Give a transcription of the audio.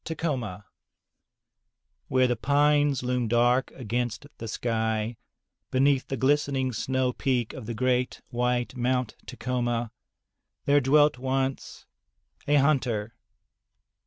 Tacoma ^ There the pines loom dark against the sky, beneath the glistening snow peak of the great white Mt. Ta coma, there dwelt once a hunter.